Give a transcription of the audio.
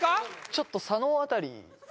ちょっと佐野あたり